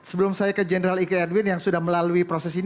sebelum saya ke general iqaed win yang sudah melalui proses ini